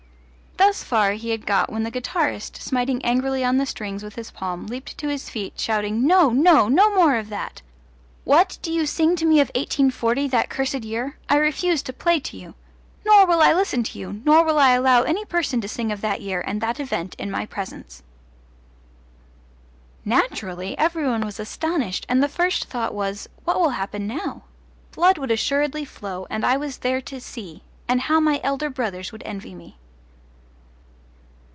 Thus far he had got when the guitarist, smiting angrily on the strings with his palm, leaped to his feet, shouting, "No, no no more of that! What! do you sing to me of 1840 that cursed year! I refuse to play to you! Nor will I listen to you, nor will I allow any person to sing of that year and that event in my presence." Naturally every one was astonished, and the first thought was, What will happen now? Blood would assuredly flow, and I was there to see and how my elder brothers would envy me!